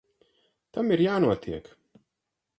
Tam ir jānotiek.